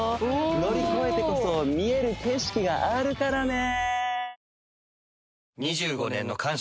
乗り越えてこそ見える景色があるからね！